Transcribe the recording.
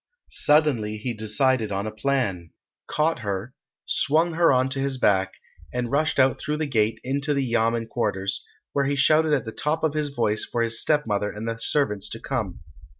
Suddenly he decided on a plan, caught her, swung her on to his back, and rushed out through the gate into the yamen quarters, where he shouted at the top of his voice for his stepmother and the servants to come.